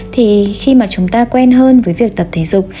thì khi mà chúng ta quen hơn với việc tập thể dục